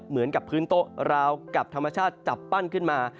เหมือนกับพื้นโต๊ะราวกับธรรมชาติจับปั้นขึ้นมา